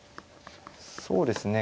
そうですね